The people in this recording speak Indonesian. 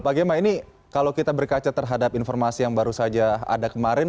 pak gemma ini kalau kita berkaca terhadap informasi yang baru saja ada kemarin